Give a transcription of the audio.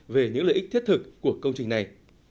về những lợi ích thiết thực của công trình này